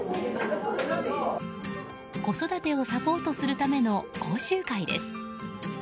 子育てをサポートするための講習会です。